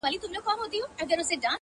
o بده ورځ کله کله وي٫